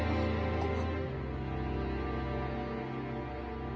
あっ。